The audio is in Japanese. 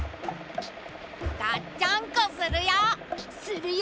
がっちゃんこするよ。するよ。